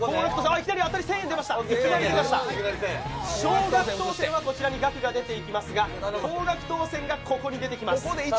いきなり当たり１０００円が出ました、少額当選がここに額が出てきますが、高額当選がここに出てきます。